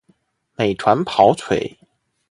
美团跑腿